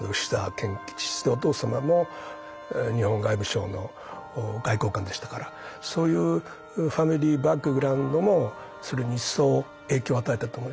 お父様も日本外務省の外交官でしたからそういうファミリーバックグラウンドもそれに一層影響を与えたと思いますね。